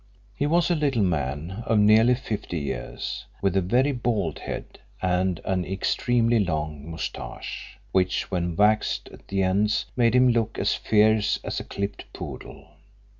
He was a little man of nearly fifty years, with a very bald head and an extremely long moustache, which when waxed at the ends made him look as fierce as a clipped poodle.